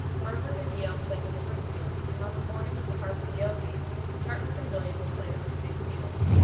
Harvard and Yale played at Springfield and on the morning of the Harvard Yale game Dartmouth and Williams played on the same field.